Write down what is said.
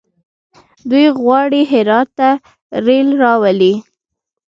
دوی غواړي هرات ته ریل راولي.